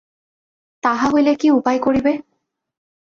তাহা হইলে কী উপায় করিবে?